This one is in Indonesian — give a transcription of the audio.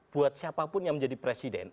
buat siapapun yang menjadi presiden